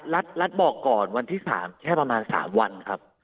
รัฐบอกก่อนวันที่๓แค่ประมาณ๓วันครับ